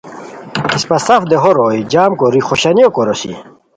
اِسپہ سف دیہو روئے جم کوری خوشانیو کوروسی